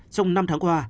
trong năm tháng qua